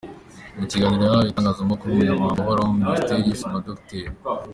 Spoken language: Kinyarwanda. Mu kiganiro yahaye itangazamakuru, Umunyamabanga uhoraho muri Minisiteri y’ubuzima Dr.